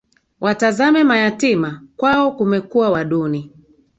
Watazame mayatima, kwao kumekua wa duni